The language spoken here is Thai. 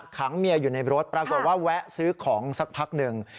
ขังเมียอยู่ในรถปรากฏว่าแวะซื้อของสักพักหนึ่ง